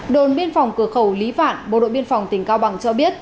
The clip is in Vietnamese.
đồn biên phòng cửa khẩu lý vạn bộ đội biên phòng tỉnh cao bằng cho biết